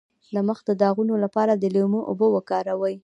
د مخ د داغونو لپاره د لیمو اوبه وکاروئ